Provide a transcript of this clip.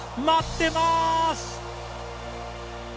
待ってます！